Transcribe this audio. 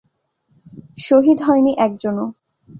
শহীদ হয়নি একজনও।